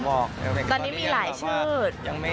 ตอนนี้มีหลายชื่อ